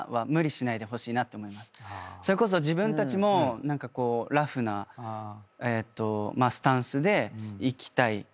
それこそ自分たちも何かこうラフなスタンスでいきたい。